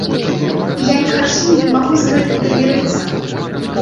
І я не хачу і не магу з гэтым прымірыцца.